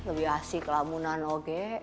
lebih asik lamunan og